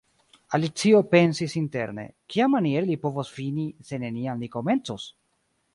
Alicio pensis interne, "Kiamaniere li povos fini, se neniam li komencos. »